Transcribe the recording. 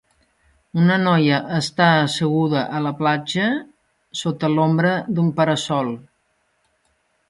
Una noia està asseguda a la platja sota l'ombra d'un para-sol.